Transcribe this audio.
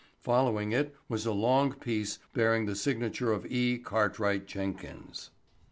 Following it was a long piece bearing the signature of E. Cartwright Jenkins.